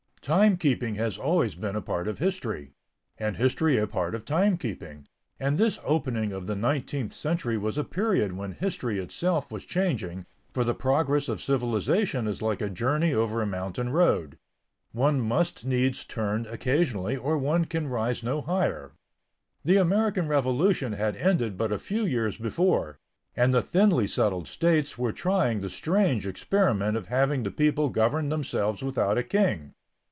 Timekeeping has always been a part of history, and history a part of timekeeping, and this opening of the nineteenth century was a period when history itself was changing, for the progress of civilization is like a journey over a mountain road; one must needs turn occasionally or one can rise no higher. The American Revolution had ended but a few years before, and the thinly settled states were trying the strange experiment of having the people govern themselves without a king.